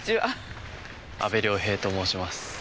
阿部亮平と申します。